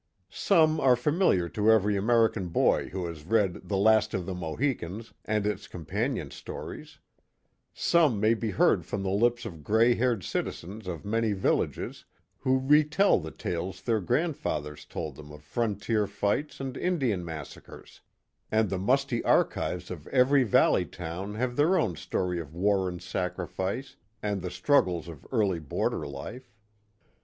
Some are familiar to every American boy who has read The Last of the Mohieans and its companion stories ; some may be heard from the lips of gray haired citizens of many villages, who retell the tales their grandfathers told them of frontier fights and Indian massacres; and the musty archives of every Valley town have their own story of war and sacrifice and the struggles of early border life.